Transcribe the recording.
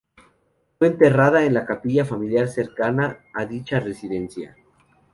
Fue enterrada en la capilla familiar cercana a dicha residencia.